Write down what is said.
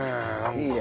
いいね。